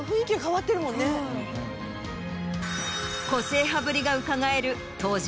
個性派ぶりがうかがえる。